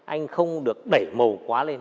anh không được đẩy màu quá lên